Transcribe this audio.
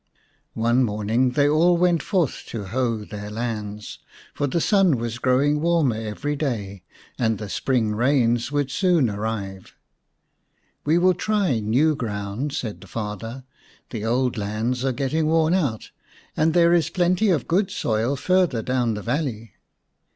One morning they all went forth to hoe their lands, for the sun was growing warmer every day and the spring rains would soon arrive. " We will try new ground," said the father, " the old lands are getting worn out, and there is plenty of good soil farther down the valley."